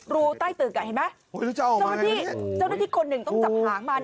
รูใต้ตึกเห็นไหมเจ้าหน้าที่คนหนึ่งต้องจับหางมัน